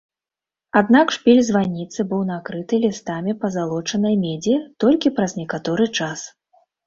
Аднак шпіль званіцы быў накрыты лістамі пазалочанай медзі толькі праз некаторы час.